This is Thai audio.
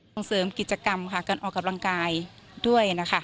ต้องเสริมกิจกรรมค่ะการออกกำลังกายด้วยนะคะ